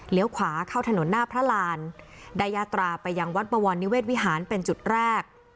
ขวาเข้าถนนหน้าพระรานได้ยาตราไปยังวัดบวรนิเวศวิหารเป็นจุดแรก